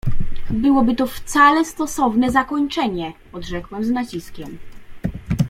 — Byłoby to wcale stosowne zakończenie! — odrzekłem z naciskiem.